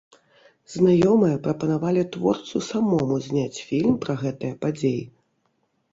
Знаёмыя прапанавалі творцу самому зняць фільм пра гэтыя падзеі.